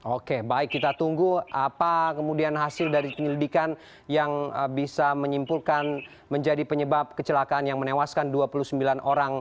oke baik kita tunggu apa kemudian hasil dari penyelidikan yang bisa menyimpulkan menjadi penyebab kecelakaan yang menewaskan dua puluh sembilan orang